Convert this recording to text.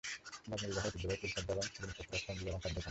নগ্ন বিবাহে ঐতিহ্যবাহী ফুল, পর্দা এবং জিনিসপত্র, সঙ্গী, এবং খাদ্য থাকে।